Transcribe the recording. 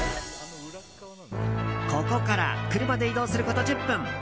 ここから車で移動すること１０分。